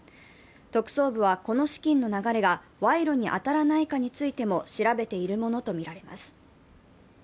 特捜部は、この資金の流れが賄賂に当たらないかについても調べているものとみられます。